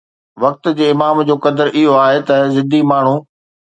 وقت جي امام جو قدر اهو آهي ته ضدي ماڻهو